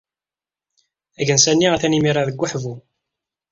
Agensa-nni atan imir-a deg weḥbu.